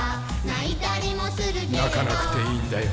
なかなくていいんだよ